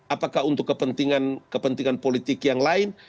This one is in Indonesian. apakah untuk kepentingan politik yang lain